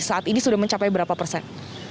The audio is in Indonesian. saat ini sudah mencapai berapa persen